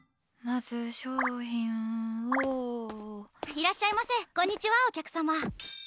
いらっしゃいませこんにちは、お客様。